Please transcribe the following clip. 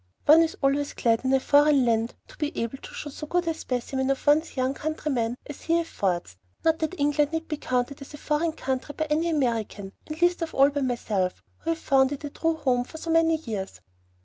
One is always glad in a foreign land to be able to show so good a specimen of one's young countrymen as he affords, not that England need be counted as a foreign country by any American, and least of all by myself, who have found it a true home for so many years.